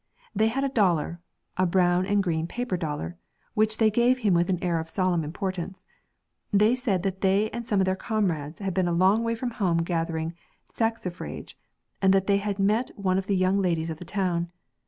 They had a dollar a brown and green paper dollar which they gave him with an air of solemn importance. They said that they and some of their comrades had been a long way from home gathering saxifrage, and that they had met one of the young ladies of the town.